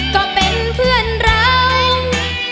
ก็เป็นเพื่อนเราร้อง